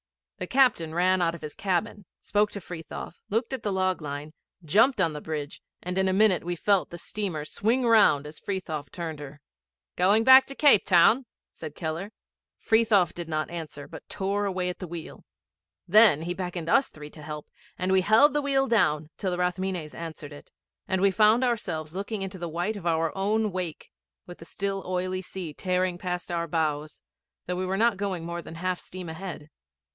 The captain ran out of his cabin, spoke to Frithiof, looked at the log line, jumped on the bridge, and in a minute we felt the steamer swing round as Frithiof turned her. ''Going back to Cape Town?' said Keller. Frithiof did not answer, but tore away at the wheel. Then he beckoned us three to help, and we held the wheel down till the Rathmines answered it, and we found ourselves looking into the white of our own wake, with the still oily sea tearing past our bows, though we were not going more than half steam ahead.